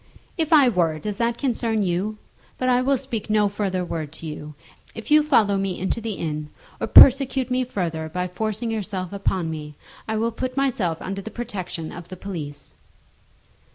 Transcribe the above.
"If I were, does that concern you? But I will speak no further word to you. If you follow me into the inn, or persecute me further by forcing yourself upon me, I will put myself under the protection of the police."